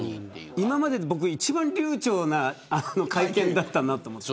今までで一番流ちょうな会見だったなと思って。